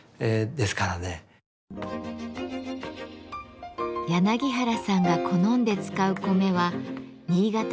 柳原さんが好んで使う米は新潟県産コシヒカリ。